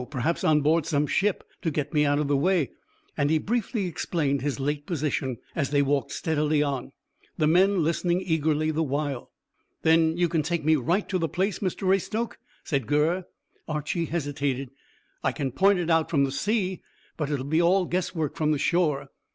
Perhaps on board some ship to get me out of the way;" and he briefly explained his late position, as they walked steadily on, the men listening eagerly the while. "Then you can take me right to the place, Mr Raystoke?" said Gurr. Archy hesitated. "I can point it out from the sea, but it will be all guess work from the shore."